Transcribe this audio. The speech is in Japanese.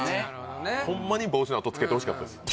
ホンマに帽子のあとつけてほしかったです